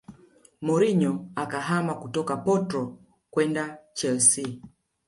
Mourinho akahama kutoka porto kwenda Chelsea